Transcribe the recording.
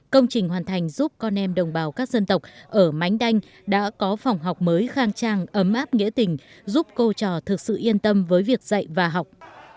công trình hoàn thành giúp con em đồng bào các dân tộc ở mánh đanh đã có phòng học mới khang trang ấm áp nghĩa tình giúp cô trò thực sự yên tâm với việc dạy và học